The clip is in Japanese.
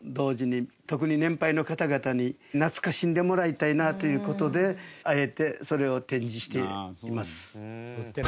特に年配の方々に懐かしんでもらいたいなという事であえてそれを展示しています。